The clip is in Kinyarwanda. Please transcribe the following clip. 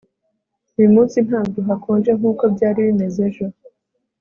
Uyu munsi ntabwo hakonje nkuko byari bimeze ejo